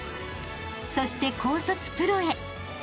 ［そして高卒プロへ］